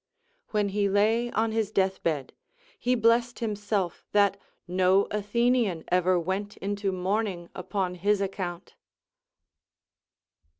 When he lay on his death bed, he blessed himself that no Athenian ever Avent into mourning upon his account.